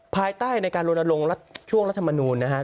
ภายใต้ในการลนลงช่วงรัฐมนูลนะฮะ